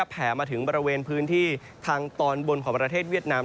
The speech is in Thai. แผ่มาถึงบริเวณพื้นที่ทางตอนบนของประเทศเวียดนาม